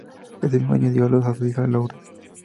Ese mismo año dio a luz a su hija Lourdes.